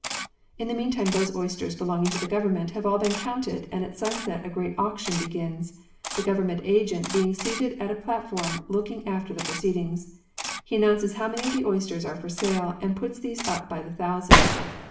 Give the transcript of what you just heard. In the meantime those oysters belonging to the Government have all been counted and at sunset a great auction begins, the Government agent being seated at a platform looking after the proceedings. He announces how many of the oysters are for sale and puts these up by the thousand.